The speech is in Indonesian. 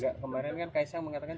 kemaren kan kaisang mengatakan